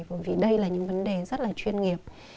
bởi vì đây là những vấn đề rất là chuyên nghiệp